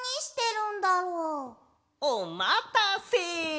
・おまたせ！